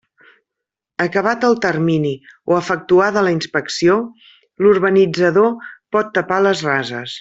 Acabat el termini o efectuada la inspecció, l'urbanitzador pot tapar les rases.